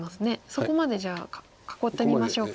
そこまでじゃあ囲ってみましょうか。